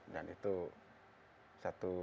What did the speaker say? dan itu satu